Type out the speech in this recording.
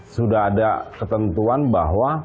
sudah ada ketentuan bahwa